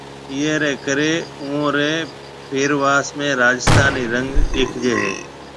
اِيئيَ رَي ڪرَي اوئون رَي پيرواس ۾ راجسٿانِي رنگ ڏيکِيجيَ ھيَََ